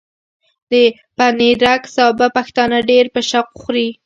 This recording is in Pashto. د پنېرک سابه پښتانه ډېر په شوق خوري۔